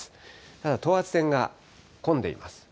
ただ等圧線がこんでいます。